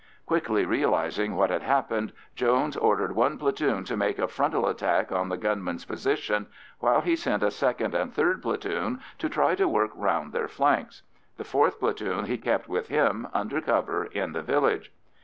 Quickly realising what had happened, Jones ordered one platoon to make a frontal attack on the gunmen's position, while he sent a second and third platoon to try to work round their flanks; the fourth platoon he kept with him under cover in the village.